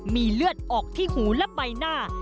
มีเลือดออกที่หูและใบหน้า